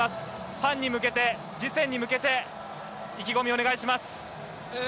ファンに向けて、次戦に向けて意気込みをお願いします。